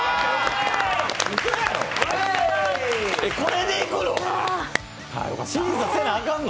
これでいくの！？